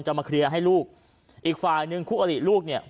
มาเคลียร์ให้ลูกอีกฝ่ายหนึ่งคู่อลิลูกเนี่ย